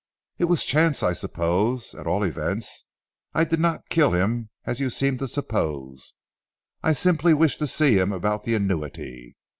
"It was chance I suppose. At all events I did not kill him as you seem to suppose. I simply wished to see him about the annuity.